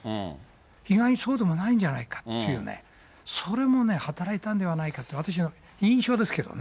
意外にそうでもないんじゃないかというね、それもね、働いたんではないかという、私は印象ですけどね。